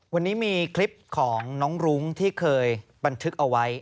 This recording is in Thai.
วันนี้มีคลิปของน้องรุ้งที่เคยบันทึกเอาไว้